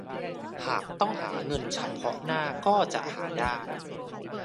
หากต้องหาเงินเฉพาะหน้าก็จะหาได้